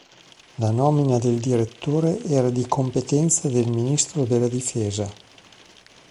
La nomina del direttore era di competenza del ministro della difesa.